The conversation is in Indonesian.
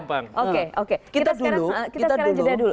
kita sekarang jeda dulu kita sekarang jeda dulu